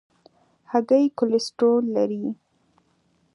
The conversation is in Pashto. هګۍ کولیسټرول لري.